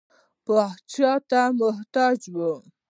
پاچا ته محتاج وي.